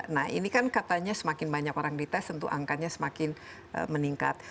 nah ini kan katanya semakin banyak orang dites tentu angkanya semakin meningkat